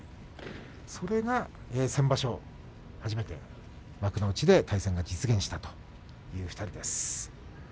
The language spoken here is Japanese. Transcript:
初めて先場所、幕内で対戦が実現したという２人です。